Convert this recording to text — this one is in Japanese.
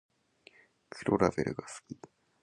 黒ラベルが好き